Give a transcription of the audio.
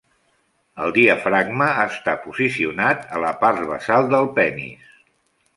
El diafragma està posicionat a la part basal del penis.